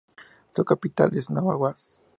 Su capital es Nova Vas.